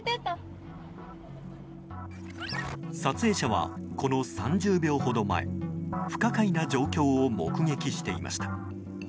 撮影者は、この３０秒ほど前不可解な状況を目撃していました。